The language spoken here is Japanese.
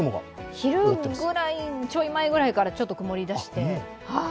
昼ぐらい、ちょい前ぐらいからちょっと曇り出して。